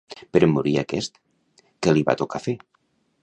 Però en morir aquest, què li va tocar fer?